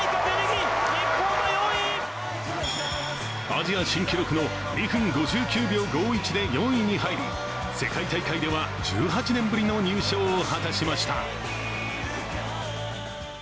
アジア新記録の２分５９秒５１で４位に入り世界大会では１８年ぶりの入賞を果たしました。